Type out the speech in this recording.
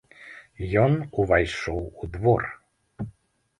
Ён увайшоў у двор.